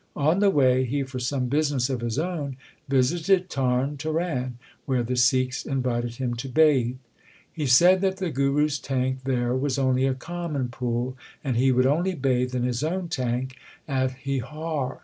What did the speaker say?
On the way he for some business of his own visited Tarn Taran, where the Sikhs invited him to bathe. He said that the Guru s tank there was only a common pool, and he would only bathe in his own tank at Hehar.